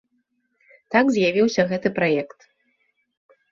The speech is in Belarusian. Так з'явіўся гэты праект.